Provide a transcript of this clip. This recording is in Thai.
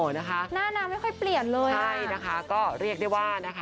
หน้านราคาไม่กลายเปลี่ยนอะไรหล่ะ